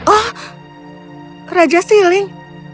oh raja siling